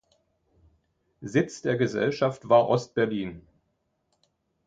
Sitz der Gesellschaft war Ost-Berlin.